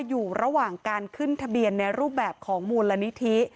อยู่ระหว่างการขึ้นทะเบียนในรูปแบบของมูลนิธิ